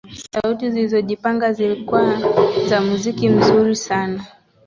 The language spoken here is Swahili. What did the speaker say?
sauti zilizojipanga zilikuwa za muziki mzuri sana